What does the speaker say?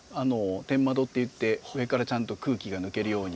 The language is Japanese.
天窓っていって上からちゃんと空気が抜けるように。